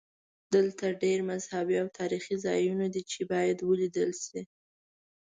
دلته ډېر مذهبي او تاریخي ځایونه دي چې باید ولیدل شي.